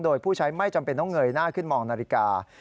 โดยผู้ใช้ไม่จำเป็นต้องเงยหน้าขึ้นมองนาฬิกา